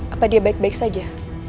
apa dia baik baik saja